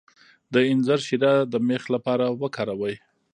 د انځر شیره د میخ لپاره وکاروئ